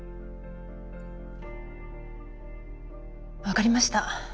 分かりました。